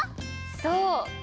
そう！